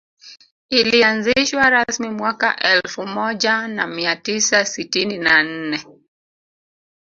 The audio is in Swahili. Ilianzishwa rasmi mwaka elfu moja na mia tisa sitini na nne